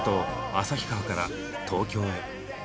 旭川から東京へ。